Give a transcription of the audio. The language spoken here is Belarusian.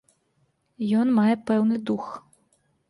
Ён мае пэўны дух.